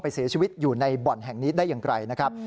เสียชีวิตอยู่ในบ่อนแห่งนี้ได้อย่างไรนะครับ